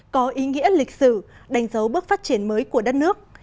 có ý nghĩa lịch sử đánh dấu bước phát triển mới của đất nước